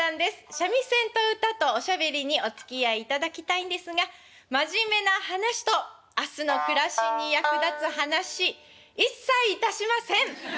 三味線と唄とおしゃべりにおつきあいいただきたいんですが真面目な話と明日の暮らしに役立つ話一切いたしません！